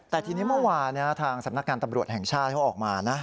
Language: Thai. แต่ทีนี้เมื่อวานทางสำนักงานตำรวจแห่งชาติเขาออกมานะ